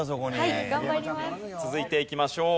続いていきましょう。